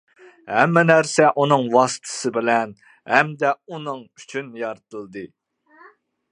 ھەممە نەرسە ئۇنىڭ ۋاسىتىسى بىلەن ھەمدە ئۇنىڭ ئۈچۈن يارىتىلدى.